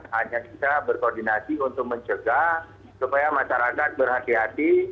hanya kita berkoordinasi untuk mencegah supaya masyarakat berhati hati